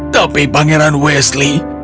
tapi pangeran wesley